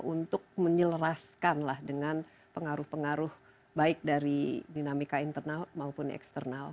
untuk menyelaraskanlah dengan pengaruh pengaruh baik dari dinamika internal maupun eksternal